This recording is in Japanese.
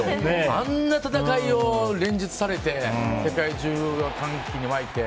あんな戦いを連日されて世界中が歓喜に沸いて。